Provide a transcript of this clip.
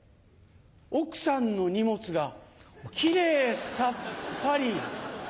奥さんの荷物がキレイさっぱり。